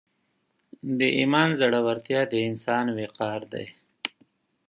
د ایمان زړورتیا د انسان وقار دی.